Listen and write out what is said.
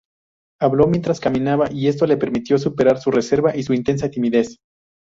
Habló mientras caminaba, y esto le permitió superar su reserva y su intensa timidez.